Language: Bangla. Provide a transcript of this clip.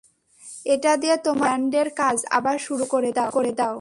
এটা দিয়ে তোমাদের ব্যান্ডের কাজ আবার শুরু করে দাও!